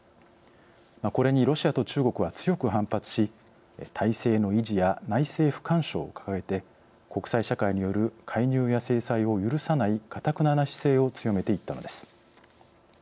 これにロシアと中国は強く反発し体制の維持や内政不干渉を掲げて国際社会による介入や制裁を許さないかたくなな姿勢を強めていったのです。